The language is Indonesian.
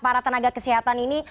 para tenaga kesehatan ini